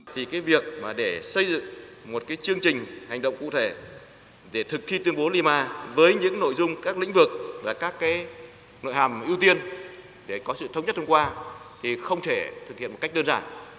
thì cái việc mà để xây dựng một cái chương trình hành động cụ thể để thực thi tuyên bố lima với những nội dung các lĩnh vực và các cái nội hàm ưu tiên để có sự thống nhất thông qua thì không thể thực hiện một cách đơn giản